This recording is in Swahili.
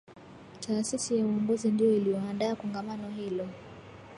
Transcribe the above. Taasisi ya Uongozi ndiyo iliyoandaa Kongamano hilo